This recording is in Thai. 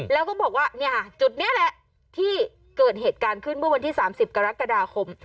แล้วก็บอกว่าจุดนี้แหละที่เกิดเหตุการณ์ขึ้นเมื่อวันที่๓๐กรกฎาคม